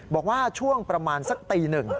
บอกว่าช่วงประมาณสักตีหนึ่ง